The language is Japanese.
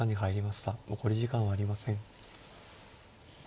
残り時間はありません。